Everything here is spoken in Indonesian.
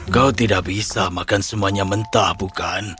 kau tidak bisa makan semuanya mentah bukan